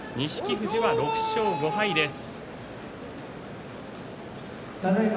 富士は６勝５敗です。